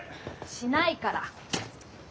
しないから。